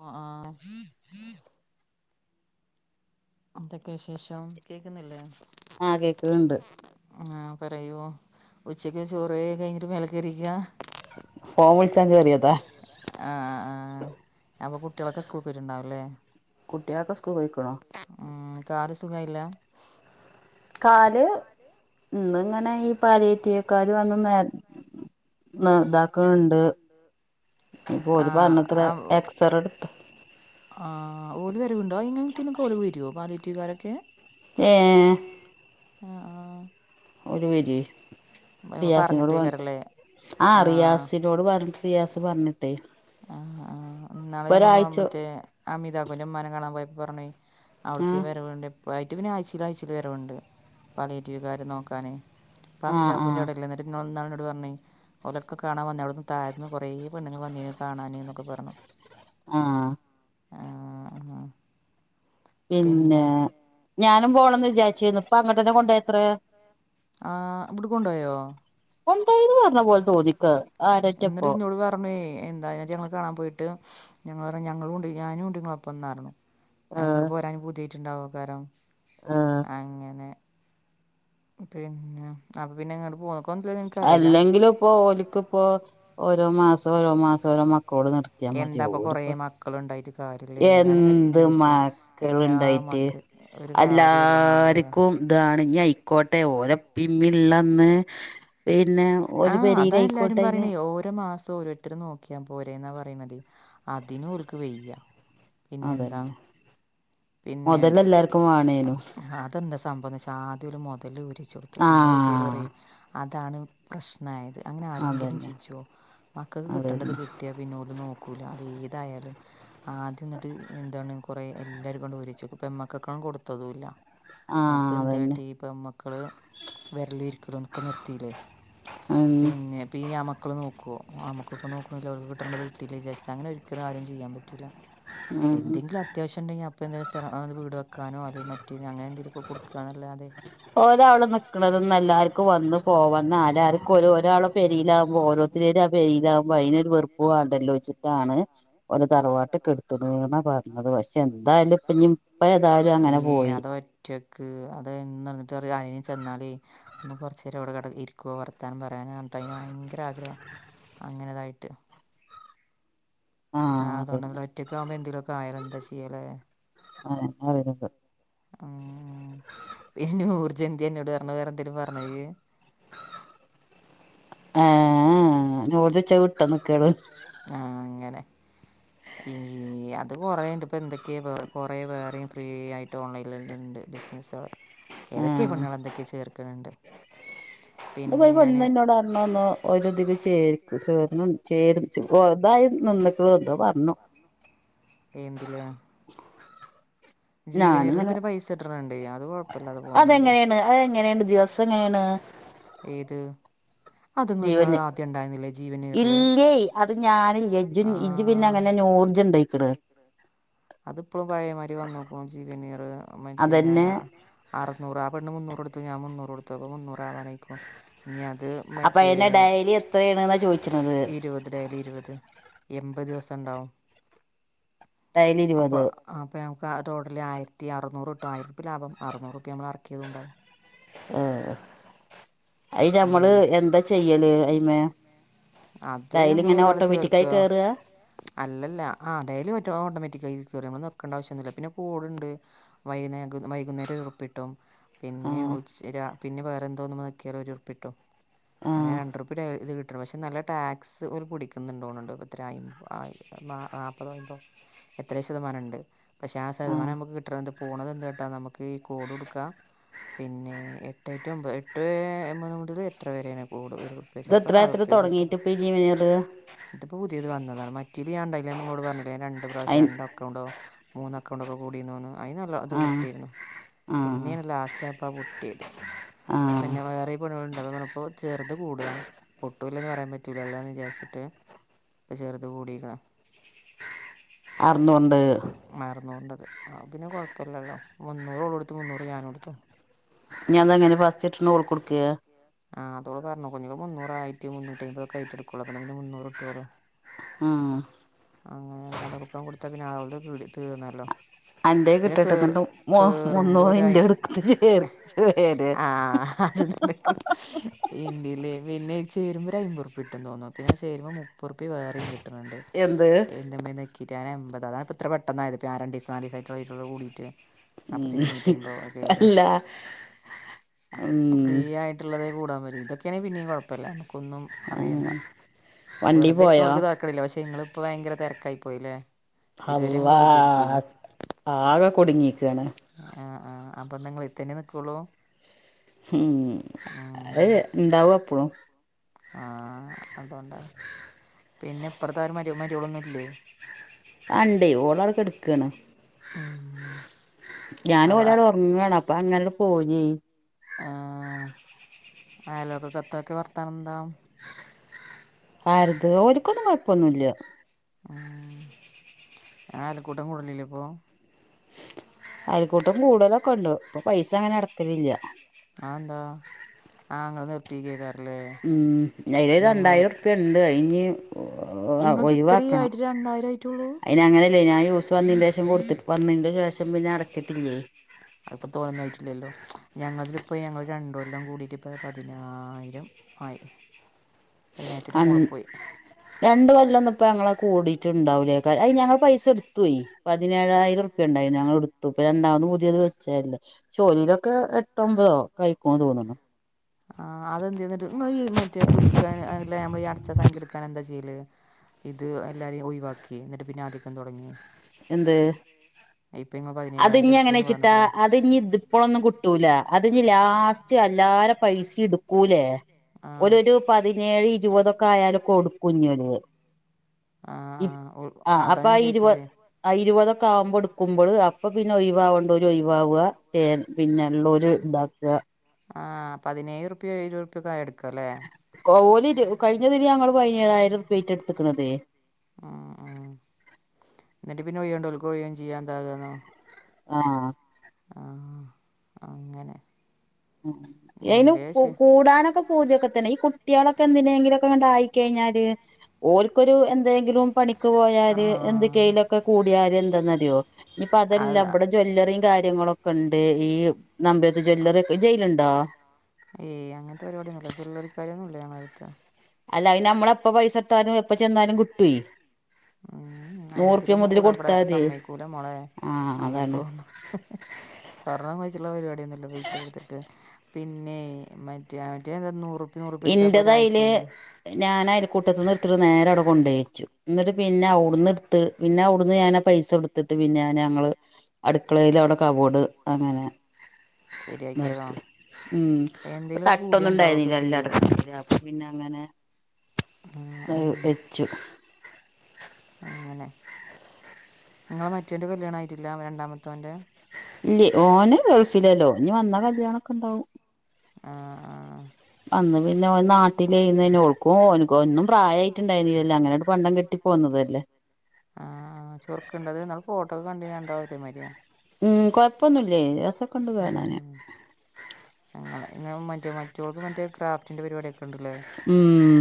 അ ആ [unintelligible] എന്തൊക്കെ വിശേഷം കേക്ക്ന്നില്ലേ ആ കേക്കണ് ണ്ട്. ആഹ പറയൂ ഉച്ചക്ക് ചോറ് യ്കഴിഞ്ഞിട്ട് മേലേ കേയറിയ്ക്ക ഫോം വിളിച്ചാ കേറിയതാ. ആ് ആ് ആ അപ്പൊ കുട്ടികളൊക്കെ സ്കൂൾ പോയിട്ടുണ്ടാവല്ലേ കുട്ടിയൊക്കെ സ്കൂളിക്കണു. ഇംകാൽ സുഖ യിഇല്ല കാല് ഉംന്നിങ്ങനെ ഈ പാലയത്തിവ്ക്കാല് വന്ന് നേ ന്ന് ഇതാക്കണ്ട്. ആ ഒല് പറഞ്ഞത്ര ആ എക്സർടുത്ത് ആ ഓല് വരവുണ്ടോ ഇങ്ങനത്തിനൊക്കെഓലു വരോ പാലിയെറ്റീവ്കാരൊക്കെ. ഏ അ ആഹ്. ഒര് വരി. ആ റിയാസിനോട് പറഞ്ഞ്ട്ട് പറഞ്ഞിട്ടേക്കാരല്ലേ ആ റിയാസിനോട് പറഞ്ഞ്ട്ട് റിയാസ് പറഞ്ഞ്ട്ടേ. ആഹ് ആഹ് ന്നാള് ഞങ്ങള് മ മറ്റേ ഹമീതാക്കുൻ്റമ്മാനെ കാണാൻ പോയപ്പൊ പറഞ്ഞ് അവ്ട്ക്കീ ആഹ് വരവ്ണ്ട് ഇപ്പായിട്ട് പിന്നായ്ച്ചീലായ്ച്ചീല് വരവ്ണ്ട് പാലിയേറ്റീവ്കാര് നോക്കാന്. ആഹ് ആഹ് ഇപ്പമീതാക്കുന്റവ്ടെള്ള് ന്നട്ട് ന്നോട് ന്നാള്ന്നോട് പറഞ്ഞ് ഓലൊക്കെ കാണാൻ വന്ന അവ്ടന്ന് തായത്ത്ന്ന് കൊറേ പെണ്ണുങ്ങള് വന്നീന് കാണാന് ന്നൊക്കെ പറഞ്ഞ്. ആഹ് ആഹ് ഹാ പിന്നെ ഞാനും പോണംന്ന് വിചാരിച്ചീന്നു, ഇപ്പങ്ങണ്ടന്നെ കൊണ്ടോയത്രേ, ആഹ് ഇബ്ട്ക്കൊണ്ടോയോ? കൊണ്ടോയീന്ന് പറഞ്ഞ പോലെ തോന്നിക്ക് ആരേറ്റപ്പോ. പ്പമ്മേ എന്തായാലു ഞങ്ങള് കാണാൻ പോയിട്ട് ഞങ്ങള് പറഞ്ഞ് ഞങ്ങളൂണ്ട് ഞാനൂണ്ട്ങ്ങളപ്പംന്നർഞ്ഞു. ആഹ് അയ്നിങ്ങട്ട് പോരാന് പൂതിയായിട്ട്ണ്ടാവൊയ്കാരം ആഹ് അങ്ങനെ പിന്നെ അപ്പൊ പിന്നെങ്ങട്ട് പോന്നക്കും അല്ലെങ്കിലുപ്പോ ഓല്ക്ക്പ്പോ ഓരോ മാസം ഓരോ മാസം ഓരോ മക്കളോട് നിർ ക്യാ മതി എന്താപ്പം ഓല് കുറേ പ്പ മക്കളുണ്ടായിട്ട് കാര്യമില്ലേ ഞാനിങ്ങനെ എന്ത് ചിന്തിച്ചു എല്ലാ മക്കള്ണ്ടായിട്ട് മക്ക ഒരു കാര്യവുമില്ല മോളെ എല്ലാര്ക്കുംതാണ് ഇഞ്ഞയ്ക്കോട്ടെ ഓലെപ്പീമ്മീള്ളന്ന് ആഹ് അതാ എല്ലാരും അയിന് പറയ്ണേ ഓരോ മാസം ഓരോരു ത്തര് നോക്ക്യാ പോരെന്നാ പറയ്ണത് അതിനോൽക് വെയ്യ പിന്നെന്താ അതന്നെ പിന്നെ. മൊതല് എല്ലാർക്കും വാണേനും അതെന്താ സംഭവന്നെച്ച ആദ്യോല് മൊതലോരിയെച്ച് കൊട്ത്തു ഞങ്ങളെ വീട്ടേര് ആഹ് പറെയ് അതാണ് പ്രശ്നായത് അങ്ങനാരെങ്കിലും അതന്നെ ചെജ്ജോ മക്കക്ക് കിട്ടണ്ടത് അതന്നെ കിട്ട്യാ പിന്നോ നോക്കൂല അതേതായാലും ആദ്യന്നട്ട് എന്താണ് കൊറേ എല്ലാര്ക്കാണ്ട് ഓരിയെച്ച് പെമ്മക്കക്കാ കൊട്ത്തതുല്ല. ആഹ് അതന്നെ അപ്പെന്താട്ടീ പെമ്മക്കള് വരലു ഇരിക്കലൊക്കെ നിർത്തീലെ ഉം പിന്നെ ഇപ്പീ ആമ. മക്കൾ നോക്കോ ആൺമക്കൾ നോക്ക് ണില്ല ഓൽക്ക് കിട്ടണ്ടത് കിട്ടീലെ വിചാരിച്ചാ അങ്ങനൊരിക്കലും ആരും ചെയ്യാൻ പറ്റൂല്ല. ഉം എന്തെങ്കില അത്യാവശ്യണ്ടെങ്കി അപ്പൊന്തെങ്കിലു സ്ഥലം അത് വീട് വെക്കാനോ അല്ലെങ്കി മറ്റ് അങ്ങനെന്തെങ്കിലൊക്കെ കൊട്ക്കാന്നല്ലാതെ. ഓരാള് നിക്ക്ണത് ന്നെല്ലാർക്കും വന്ന് പോക നാലാള്ക്കും ഒരാള് പെരീലാവുമ്പൊ ഓരോ. പെരീലാവുമ്പൊ അയ്നൊരു വെർ‌പ്പ് വാണ്ടെ ലോചിച്ചിട്ടാണ് ഓലെ തറവാട്ട് കെട്ത്ത്ണ്ന്നാ പറഞ്ഞത് പക്ഷെന്തായാലുപ്പഞ്ഞ് ഇപ്പേതായാലും ഈ അങ്ങനെ പോയി. [unintelligible] അത് [unintelligible] അയ്ന് ചെന്നാല്. ഒന്ന് കൊറച്ചേരവ്ടെ കെട ഇര്ക്കോ വർത്താനം പറയാന ർഞ്ഞ്ട്ട് അയിന് ഭയങ്കരാഗ്രഹം അങ്ങനെതായിട്ട് ആഹ് അതോണ്ടൊന്നല്ല ഒറ്റക്കാവ്മ്പോ എന്തേലൊക്കായ ലെന്താ ചെയ്യലേ ആഹ് [unintelligible] ഉം ഉം ഈ നൂർജെന്ത്യെ ഇന്നോട് പറഞ്ഞ് വേറെന്തേലും പറഞ്ഞ ഇയ്യ്. ഏഹ് ഏഹ് നൂർജച്ചത് വിട്ടന്ന്ക്കാണ്. ആഹ് അങ്ങനെ. ഈ അത് കൊറേണ്ട്പ്പെന്തൊക്കേ വേറെ കൊറേ വേറിം ഫ്രീയായിട്ട് ഓൺലൈനിലെന്നണ്ട് [unintelligible] ഏതൊക്കെ ആഹ് പെണ്ണ്ങ്ങളെന്തൊക്കെ ചേർക്ക്ണണ്ട്. ഇന്ന് പെരു പെണ്ണ്ന്നോടർഞ്ഞ്ന്നു ഓലിതില് ചേർ ചേർ ചേ [unintelligible] പ്പോതായി നിന്ന്ക്ക്ണ് ന്തോ പറഞ്ഞു [inaudible] ജീവനെയറില് ഞാനിങ്ങനെ പിന്നെ പൈസ റെണ്ട് അത് കൊഴപ്പല്ലാതെ പോവ്ന്നുണ്ട് അതെങ്ങനെയാണ് അതെങ്ങനേണ് അതെങ്ങനെയാണ് അതെങ്ങനേണ് ദിവസം എങ്ങനെയാണ് ദിവസെങ്ങനേണ്? ഏത്? അത് നിങ്ങളൊന്ന് ജീവന് ആദ്യം ഉണ്ടായിരുന്നില്ലേ ജീവനീറില് ഇല്ലേ ഇല്ല്യെയ് അത് ഞാന്ല്ല്യെ ഇജ് ഇജ് പിന്നങ്ങനെ പിന്നെ നോർ [unintelligible] ഇക്കണ് അതിപ്പോഴും പഴയമാതിരി വന്നോക്കും ജീവനർ മറ്റേ ഞാൻ അതന്നെ അറുന്നൂറ് ആ പെണ് മുന്നൂറ്ടുത്ത് ഞാൻ മുന്നൂറ് കൊടുത്തു മുന്നൂറ് ആവയിരിക്കും ഇനി അത് അപ്പൊ മറ്റേ അയിനെ ഡയലി എത്രയാണ്ന്നാ ചോദിച്ചണത് ഇരുപത്ലായാല ഇരുപത് എൺപത് ദിവസം ഉണ്ടാവും രണ്ടല് ഇരുപത് അപ്പം നമുക്ക് ആ ോട്ടിൽ ആയിത്തി അറുന്നൂറ് എട്ട ആയിരംറപ്പ ലാഭം അറൂറ്റപ്പ നമ്മൾ അറക്കിയതുംണ്ടാവും ഉഏ അയിനെഞമ്മള് അങ്ങനെ എന്താ ചെയ്യല് അയി്നെ അത് നമ്മൾ അതിലിങ്ങനെ ഒരാൾ ഓട്ടോമാറ്റിക്കായി ചേർക്കുക കേറുക അല്ലല്ല ആ അ ഡെലി മറ്റ ഓട്ടോമാറ്റിക്കായിയനിക്കേണ്ട ആവ്യൊന്ന പിന്നെ കോടുണ്ട് വൈകുന്നേ വൈകുന്നേരം ഉറുപ്പിട്ടോ ആ പിന്നെ ഉ പിന്നെ വേറെ എന്തോ നമ്മൾ നിൽക്കിയാലോ ഒരു ഉറുപ്പിട്ടോ ആ അങ്ങനെ രണ്ട് ഉറുപ്പി ഇത് കിട്ടും പക്ഷെ നല്ല ടാക്സ് പുടിക്കുന്നുണ്ടോ [unintelligible] എത്ര ശതമാനുണ്ട് പക്ഷെ ആ ശതമാനം നമുക്ക് കി പോകണത് എന്ത് കേട്ടാ നമുക്ക് ഈ കോഡ് കൊടുക്കാം. പിന്നെ എട്ടറ്റ ഒമ്പത് എട്ട് ഒമ്പത് മുതൽ എത്ര വരെയാണ് കൂടു ഒരു ഇത് ചപ്പോ എത്ര എത്ര നാല്ുപ്പ കിട്ടും തുടങ്ങിട്ട് ഇപ്പ ഈ ജീവനർ ഇപ്പപ്പോ പുതിയത് വന്നതാണ് മറ്റേ ഞാന്തായാല ഇങ്ങോട് പറഞ്ഞില്ല രണ്ട് പ്രാവശ്യ അയി രണ്ടെ അക്കൗണ്ടോ മൂന്ന് അക്കൗണ്ടൊക്കെ കൂടിന്ന്ോന്ന് അതിന് നല്ല അത് ആ കിട്ടിയിരുന്നു ആ പിന്നെയാണ് ലാസ്റ്റ് ആയപ്പോൾ ആ പട്ടിയത് ആഹ് ണികുണ്ടപ്പോ ചെറു കൂടുക പൊട്ടൂില്ലന്ന് പറയാൻ പറ്റൂലല്ലോന്ന് വിചാരിച്ചിട്ട് ഇപ്പ ചെറത് കൂടിണ അറുന്നൂറുണ്ട് അറുന്നൂറിന്റെത് ആ പിന്നെ കുഴപ്പില്ലല്ലോ മുന്നൂറോള എടുത്ത് മുന്നൂറ് ഞാന എടുത്തോ ഞാൻത അങ്ങനെ ഫസ്റ്റ് ഇട്ട ോൾ കൊടുക്കയ ആഹ് ആ പറഞ്ഞോഞ്ഞങ്ങ മൂറയിരത്തി മുന്നൂറ്റി അമ്പതൊക്ക ആയിട്ട എടുക്കുള്ളൂ പിന്ന മുന്നൂറ് ഇട്ടുവല്ലോ ആഹ അങ്ങനെ പിന്നെ അത് ഉറക്കം കൊടുത്ത പിന്നെ തീർന്നല്ലോ എന്റെ പിന്നെ കേറ് കിട്ടട്ടന്ന മ മന്നോ കേറുമ്പോ ഒരായി ഇന്റെ എടുത്ത് ച ചേര് ആ അത് ഇന്ത്യല് പിന്നെ ചേരുമ്പോ ഒരു അമ്പൂറ്പ്പ ഇട്ട തോന്നും പിന്നെ ആ ചേരുമ്പോ മു പറിപ്പി വേറെയും കിട്ടുന്നുണ്ട് എന്ത് എ നക്കിട്ട് എമ്പത്താണ് ഇത്ര പെെന്നായത് കൂടിയിട്ട് ഉ അപ്പത്തിന് ഇരുന്നൂറ്റമ്പത് ഒക്കെ ആയില്ലേ അല്ല ഉ ആയിട്ടുള്ളത് കൂടാൻ മതി ഇതൊക്കെയെ പിന്നെയും കുഴപ്പമല്ലാണ് നക്കൊന്നും അറിയേണ്ട വണ്ടി വെറുതെ പോയോ ഇരിക്കണവർക്ക് തർക്കമില്ല പക്ഷേ നിങ്ങൾ ഇപ്പോൾ ഭയങ്കര തിരക്കായി പോയില്ലേ ഇതുവരെ അല്ല ഞങ്ങള് വെറുതെ ഇരിക്കേന്നു ആകെ കൊടുങ്ങിിക്കയാണ് ആഹ ആ് അപ്പൊ നിങ്ങൾ ഇത്തന്നെ നിൽക്കുള്ളൂ ഉം അത ഉം എന്താവും അപ്പഴും ആഹ് അതുകൊണ്ട് പിന്നെ പ്രധാനം അ മരിളൊന്നുല്ലേ ആണ്ടേ ഒരാളെ കെടക്കാണ് ഉം ഞാനും അവ ഒരാള് ഉറങ്ങാണ് അപ്പൊ അങ്ങനട് പോഞ്ഞി ആ ആയലോക്ക കത്തൊക്കെ വർത്താനം എന്താ ആരുത് ഒരിക്കൊന്നും കുഴപ്പമൊന്നുമല്ല ഉം ആലുക്കൂട്ടം കൂടനില്ലേ ഇപ്പൊ അൽക്കൂട്ടും കൂടുതലൊക്കെ ഉണ്ട് ഇപ്പൊ പൈസ അങ്ങനെ അടക്കല്ലിലാ ആഹ് എന്താ ആഹ് അങ്ങ ഉം. അയിലൊര് ഞങ്ങള് രണ്ടായിരം ഉർപ്ല്യണ്ട്. അയിഞ്ഞ് ഇങ്ങത് ഇത്ര ഒഴിവാക്കണം ആയിട്ട് രണ്ടായിരം ആയിട്ടേ ഉള്ളൂ അയിന് അങ്ങനല്ലേ ഞൻ യൂസ് വന്നതിന്റെ ശേഷം കൊടുത്തിട്ട് വന്നതിന്റെ ശേഷം പിന്നെ അടച്ചിട്ടില്ലേ അതിപ്പോ തോന്നന്നയിട്ടില്ലല്ലോ ഞങ്ങളിപ്പ ഞങ്ങള് രണ്ട് കൊല്ലം കൂടിട്ട് ഇപ്പ പതിനായിരം ആയി. പയിനായിരത്തിന്റെ അൺ മോള്‌ക്കോയി. രണ്ട് കൊല്ലൊന്നും പ്പ ഞങ്ങളത് കൂടിയിട്ട്ണ്ടാവൂല്ലേ. ക അയിന് ഞങ്ങള് പൈസ ഇട്ത്തുവേ. പതിനേഴായിരം ഉർപ്യ ണ്ടായിനി. ഞങ്ങള് ഇട്‌ത്തു ഇപ്പൊ. രണ്ടാമത് പുതിയത് വെച്ച അല്ലേ ജോലയിലൊക്കെ എട്ട്മ്പതോ ക ഴിക്കുമന്ന് തോന്നുന്നു ആ, അതെന്തെന്ന്ട്ട്. ങ്ങള് ഈ മറ്റേ പുതുക്കാന് അല്ല നമ്മള് ഈ അടച്ച സംഖ്യ എടുക്കാന് എന്താ ചെയ്യല്? ഇത് എല്ലാരിം ഒഴിവാക്കി എന്നിട്ട് പിന്നെ ആദ്യം ക്കണ് തുടങ്ങി എന്ത്? ഇപ്പം നിങ്ങൾ പതിനേഴായിരം അത്ഞ്ഞ് എടുത്തുന്ന് എങ്ങനെച്ച്ട്ടാ പറഞ്ഞില്ലേ അതിഞ്ത് ഇപ്പോളൊന്നും കിട്ടൂല അത്ഞ് ലാസ്റ്റ് അല്ലാരെ പൈസ ഇടുക്കൂലേ ആ ഒരു ഒരു പതിനേഴ് ഇരുപതൊക്കെ ആയാല് കൊടുക്കുംന്നേൽ ആ ഇപ്പ് ആ ആഹ് അതാ അപ്പൊ ആ ഞാൻ ഇരുവ ചോദിച്ചത് ആ ഇരുപതൊക്കെ ആവുമ്പൊ ഇടുക്കുമ്പള് അപ്പൊ പിന്നെ ഒഴിവാവെണ്ടോര് ഒഴിവാവ. ചേർ പിന്നെ ഇളേര് ഇണ്ടാക്ക ആ പതിനേഴുറുപ്യോ ഏഴുറുപ്യായൊക്കെ എടുക്കുല്ലേ കൗലിതി കഴിഞ്ഞതിനി ഞങ്ങള് പതിനേഴായിരം ഉറുപ്യാ ആയിറ്റാ ഇട്ത്ത്ക്ക്ണതേ. ഉം ഉം എന്നിട്ട് പിന്നെ വയണ്ടോൽക്കഴയും ചെയ്യാൻ എന്താകാന്നോ ആഹ് ആ. അങ്ങനെ യെയിന് എന്തേ കൂ ശരി. കൂടാനൊക്കെ പൂതിയൊക്കെ തന്നെ. ഈ കുട്ടിയൊളൊക്കെ എന്തിനെങ്കിലൊക്കെണ്ട് ണ്ടായിക്കഴിഞ്ഞാല് ഓൽക്കൊരു എന്തേങ്കിലും പണിക്ക് പോയല് എന്ത് ആ കയിലൊക്കെ കൂടിയാര് എന്താന്നറിയോ ഇനിയിപ്പോ അതെല്ലാം അതാ ഇവിടെ ജോ ജ്യവല്ലറിയും കാര്യങ്ങളൊക്കെ ഉണ്ട് ഈ നമ്പേത് ജ്വല്ലറി ഒക്കെ ജയിലുണ്ടോ ഏയ് അങ്ങനത്തെ പരിപാടൊന്നുമല്ല ജ്യലറിക്കാര്യൊന്നും ഇല്ല ഞങ്ങളെ അടുത്ത് അല്ല അതിന് നമ്മള എപ്പ പൈസ ഇട്ടാലും എപ്പൊ ചെന്നാലും കിട്ടൂ ഉംഹ് അങ്ങനത്തിലൊന്നും കൂടാ ഇവിടെ കൊടുത്താ മതി സമ്മയക്കൂല മോളേ ആഹ് അതാണ് അങ്ങനത്തൊന്നും സ്വർണം വച്ചുള്ള പരിപാടിയൊന്നുമില്ല പൈസ കൊടുത്തിട്ട് ന്നേ.. മറ്റേ ആ മറ്റേ എന്താ നൂറുപ്പ്യ നൂറുപ്പ്യ ട്ത്താ ഇന്റത് അയില് ഒരാഴ്ച്ചയിന്ന് ഞാൻ അയൽക്കൂട്ടത്ത്ന്ന് ഇട്ത്ത്ട്ട് നേരെ അവിടെ കൊണ്ടയിച്ചു എന്നിട്ട് പിന്നെ അവിടുന്ന് ടുത്ത് പിന്നെ അവിടുന്ന് ഞാനാ പൈസ എടു ത്തിട്ട് പിന്നെ ന്ന ഞങ്ങള് അടുക്കളെല് അവിടെ കവോട് അങ്ങനെ ശരിയാക്കിയതോ തായിറ്റ് ഉം എന്തേലും തട്ടൊന്നും കൂടിയ ഉണ്ടാവുകയൊക്കെ ഇണ്ടായിരുന്നില്ല എല്ലാ ചെയ്യും [inaudible] അപ്പ പിന്നെ അങ്ങനെ ആ വെ ആ വെച്ചു. അങ്ങനെ. ഇങ്ങളെ മറ്റേന്റെ കല്യാണം ആയിട്ടില്ല രണ്ടാമത്തോന്റെ. ഇല്ലെ. ഓന് ഗൾഫിലല്ലോ. ഇഞ്ഞ് വന്നാ കല്യാണൊക്കെണ്ടാവും. ആഹ് ആഹ് അന്ന് പിന്നെ ഓൻ നാട്ടില്യ ന്നെഓൾക്കുംഓ ഒന്നും പ്രായമായിട്ട് ഇണ്ടാരുന്നില്ല അങ്ങനെ ണ്ട്‌ പണ്ടം കെട്ടി പോന്നതല്ലേ ആഹ് ആ ചുറുക്കുണ്ടത് ഇന്നാൽ ഫോട്ടോക്കെ കണ്ടിരുന്നു രണ്ടാളും ഒരെ മാരിയാ ഉം. കൊഴപ്പൊന്നുല്ലേ. രസക്കണ്ട് കാണാന്. അങ്ങനെങ്ങന മറ്റ മറ്റോൾക്ക് മറ്റേ ക്രാഫ്റ്റിന്റെ പരിപാടിയൊക്കെ ഉണ്ടല്ലേ. ഉം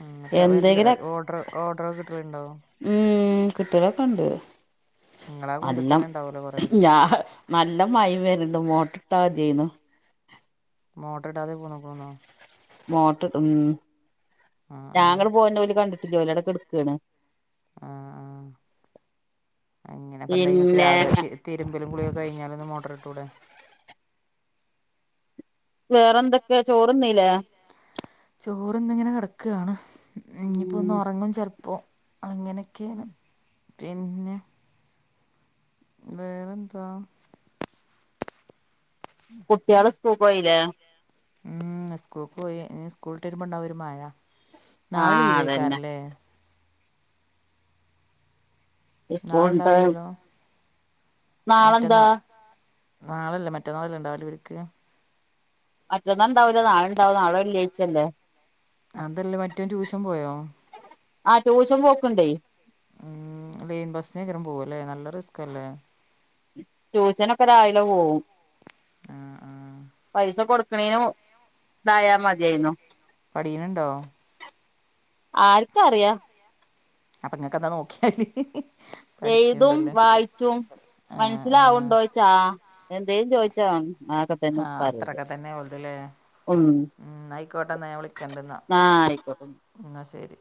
ഉം. ങ്ങട്ട് വ വരല് എന്തെങ്കില ഓർഡറ് ഓർഡറൊക്കെ കിട്ടല് ണ്ടോ? ഉം കിട്ടലൊക്കെണ്ട് നിങ്ങളാ കുണ്ടിൽ അല്ലാം തന്നെ ഉണ്ടാവുമല്ലോ കുറേ ഞാ നല്ല മയിമ് വരുണ്ട് മോട്ടറ് ഇട്ടാ മതിയാരുന്നു മോട്ടർയിടാതെ പോന്നക്കണോ മോട്ടറ് ഇടകു ഉം ആ ഞാൻ ആ ഇങ്ങട് പോര്ന്നത് അവൽ കണ്ടിട്ടില്ല അൽ അവിടെ കിടക്കണ് ആഹ് ആഹ് അങ്ങനെ ഇപ്പം ന്തായി നിങ്ങക്ക് പിന്നെ രാവിലെ തിരു തിരുമ്പലും കുളിയൊക്കേ കഴഞ്ഞാലൊന്ന് മോട്ടർ ഇട്ടൂടെ വേറെ എന്തൊക്കെയ ചോറ് തിന്നില്ലേ ചോറിന്നിങ്ങനെ കടക്കാണ് ഇനിയിപ്പോ ഉം ഒന്ന് ഒറങ്ങും ചെലപ്പോ അങ്ങനെക്കെണ് പിന്നെ വേറെന്താ കുട്ട്യാള് സ് പോയില്ലേ ഉം സ്കൂൾക്ക് പോയി ഇനി സ്കൂളിട്ട് വരുമ്പോടവും ഒരു മഴ നാളെ ആഹ് അതന്നെ ലീവെക്കാരല്ലേ സ്കൂൾണ്ട് നാളെണ്ടാവുല്ലല്ലോ നാളെന്താ മറ്റന്നാ അതെന്താ നാളെല്ല മറ്റേനാളല്ലേ ഇണ്ടാവല് ഇവർക്ക് മറ്റന്നാ ഇണ്ടാവുല്ല നാളണ്ടാവും നാളെ വെള്ളിയായിച്ചല്ലേ അതല്ല മറ്റൊന് ട്യൂഷൻ പോയോ ആഹ് ട്യൂഷൻ പൊക്കണ്ട് ഉം ലെയിൻ ബിസിനെക്കാരെ പോവാ നല്ല റിസ്കല്ലേ ട്യൂഷനൊക്കെ രാവിലെ പോവും ആഹ് ആഹ് പൈസ കൊടുക്കണേനു ഇതായ മതിയായിന്നു പഠിണിണ്ടോ ആർക്കറിയാ അപ്പൊ നിങ്ങക്ക്ന്താ നോക്കിയാല് എയ്തും പഠിക്കണ്ടല്ലോ വായിച്ചും ആഹ് ആഹ് മനസ്സിലാവുണ്ടോയിച്ചാ ആഹ് എന്തേലും ചോയിച്ച [unintelligible] ഞാക്കത്തന്നെ ആഹ് പരേല് അത്രൊക്കെ തന്നെ ഓൽത് ല്ലേ ഉം ഉം ന്നാ ആയിക്കോട്ടെ ന്നായിക്കോട്ടെന്ന ന്നാ ശെരി